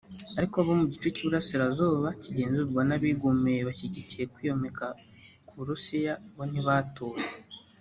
ariko abo mu gice cy’ uburasirazuba kigenzurwa n’ abigumuye bashyigikiye kwiyomeka ku Burusiya bo ntibatoye